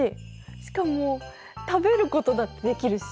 しかも食べることだってできるし。